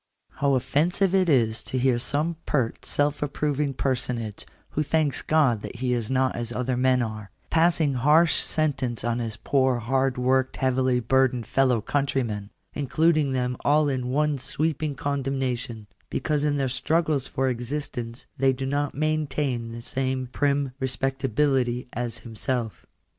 How offensive is it to hear some pert, self approving per sonage, who thanks God that he is not as other men are, 'passing harsh sentence on his poor hard worked heavily bur dened fellow countrymen; including them all in one sweep , ing condemnation, because in their struggles for existence they do not maintain the same prim respectability as himself.